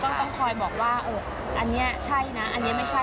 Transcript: ต้องต้องคอยบอกว่าอันนี้ใช่นะอันนี้ไม่ใช่